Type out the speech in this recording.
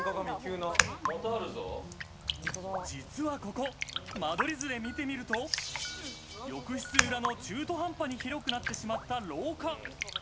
実はここ、間取り図で見てみると、浴室裏の中途半端に広くなってしまった廊下。